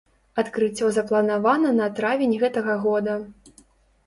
Адкрыццё запланавана на травень гэтага года.